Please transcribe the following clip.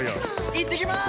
いってきまーす！